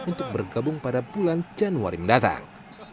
untuk bergabung pada bulan januari mendatang